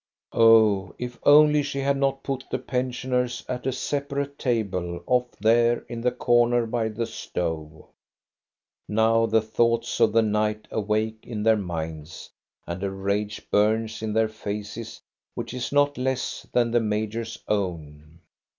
Oh, if only she had not put the pensioners at a separate table off there in the corner by the stove ! Now the thoughts of the night awake in their minds, and a rage burns in their faces which is not less than the major's own.